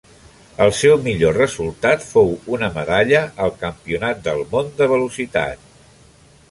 El seu millor resultat fou una medalla al Campionat del món de Velocitat.